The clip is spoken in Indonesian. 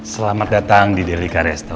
selamat datang di delika resta